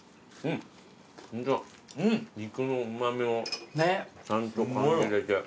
肉のうま味をちゃんと感じれて。